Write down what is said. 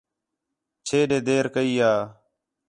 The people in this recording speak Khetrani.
چھے ݙے دیر کئی یا